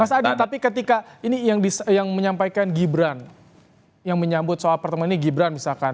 mas adi tapi ketika ini yang menyampaikan gibran yang menyambut soal pertemuan ini gibran misalkan